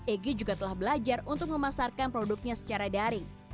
egy juga telah belajar untuk memasarkan produknya secara daring